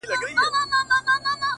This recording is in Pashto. ښكلي چي گوري; دا بيا خوره سي;